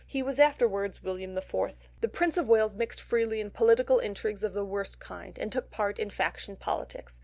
He was afterwards William IV. The Prince of Wales mixed freely in political intrigues of the worst kind, and took part in faction politics.